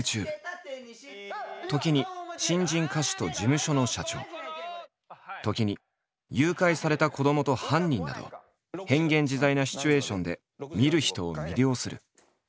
時に新人歌手と事務所の社長時に誘拐された子どもと犯人など変幻自在なシチュエーションで見る人を魅了する。